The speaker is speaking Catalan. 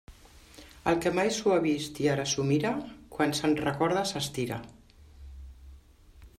El que mai s'ho ha vist i ara s'ho mira, quan se'n recorda s'estira.